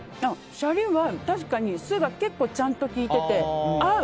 シャリは確かに酢が結構ちゃんと効いてて合う！